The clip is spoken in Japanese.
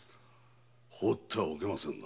放っておけませんな。